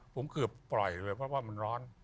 ผมเกือบปล่อยเลยเพราะว่ามันร้อน